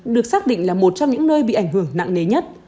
được xác định là một trong những nơi bị ảnh hưởng nặng nề nhất